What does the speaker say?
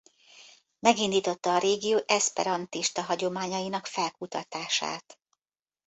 Megindította a régió eszperantista hagyományainak felkutatását.